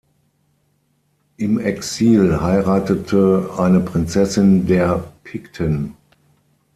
Im Exil heiratete eine Prinzessin der Pikten.